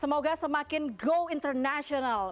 semoga semakin go international